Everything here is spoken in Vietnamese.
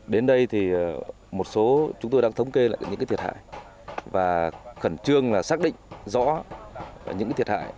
đến đây chúng tôi đang thống kê lại những thiệt hại và khẩn trương xác định rõ những thiệt hại